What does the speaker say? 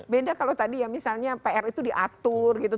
beda kalau tadi ya misalnya pr itu diatur gitu